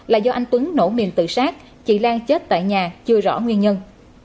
là do anh tuấn nổ mìn tự sát chị lan chết tại nhà chưa rõ nguyên nhân